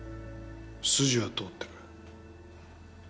筋は通ってる。